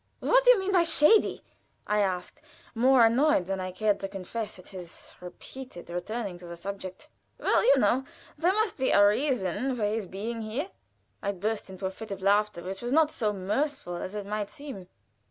"What do you mean by 'shady'?" I asked, more annoyed than I cared to confess at his repeated returning to the subject. "Well, you know, there must be a reason for his being here " I burst into a fit of laughter, which was not so mirthful as it might seem.